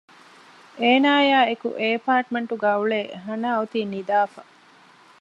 އޭނާ އާއި އެކު އެ އެޕާޓްމެންޓް ގައި އުޅޭ ހަނާ އޮތީ ނިދާފަ